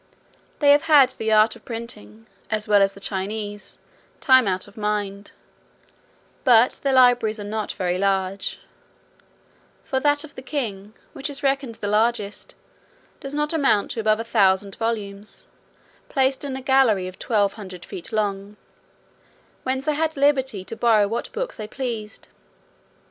They have had the art of printing, as well as the Chinese, time out of mind: but their libraries are not very large; for that of the king, which is reckoned the largest, does not amount to above a thousand volumes, placed in a gallery of twelve hundred feet long, whence I had liberty to borrow what books I pleased.